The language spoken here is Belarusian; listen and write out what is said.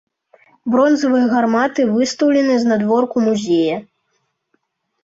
Бронзавыя гарматы выстаўлены знадворку музея.